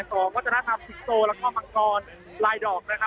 ก็จะน่าทำสิทธิโตและมังกรลายดอกนะครับ